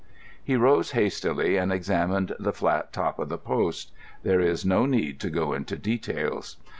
He rose hastily and examined the flat top of the post. There is no need to go into details.